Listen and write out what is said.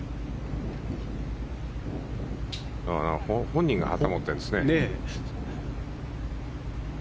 本人が旗を持ってるんですね。